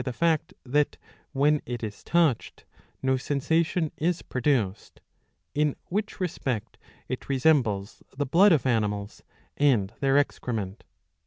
the fact, that, when it is touched, no sensation is produced;'^ in which respect it resembles the blood of animals and their excrement.